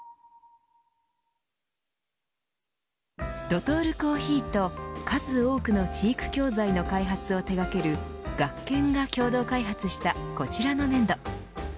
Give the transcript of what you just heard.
ドトールコーヒーと数多くの知育教材の開発を手掛けるＧａｋｋｅｎが共同開発したこちらの粘土。